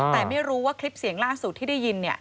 แต่ไม่รู้ว่าคลิปเสียงล่าสุดที่ได้ยิน